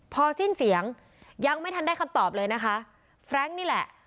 พอสิ้นเสียงยังไม่ทันได้คำตอบเลยนะคะแฟรงค์นี่แหละ